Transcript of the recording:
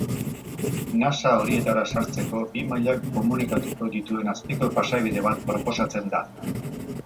Nasa horietara sartzeko bi mailak komunikatuko dituen azpiko pasabide bat proposatzen da.